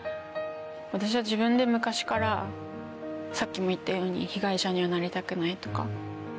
私は自分で昔からさっきも言ったように被害者にはなりたくないとか。